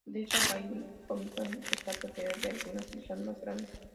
La isla Baillie-Hamilton está rodeada de algunas islas más grandes.